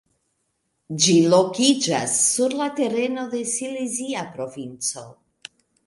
Ĝi lokiĝas sur la tereno de Silezia Provinco.